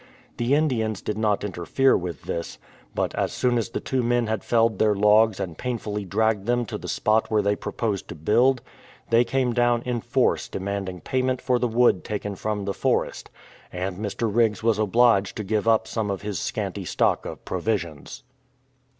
The Indians did not interfere with this ; but as soon as the two men had felled their logs and painfully dragged them to the spot where they proposed to build, they came down in force demanding payment for the wood taken from the forest, and Mr. Riggs was obliged to give up some of his scanty stock of provisions.